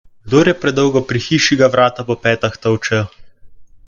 Kdor je predolgo pri hiši, ga vrata po petah tolčejo.